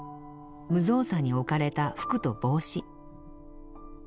無造作に置かれた服と帽子。